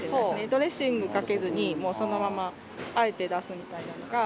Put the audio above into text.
ドレッシングかけずにそのまま和えて出すみたいなのが。